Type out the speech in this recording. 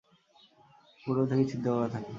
এতে পূর্বে থেকেই ছিদ্র করা থাকে।